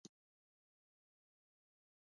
خو وروسته یې نوم درناوی وموند او جایزه اعلان شوه.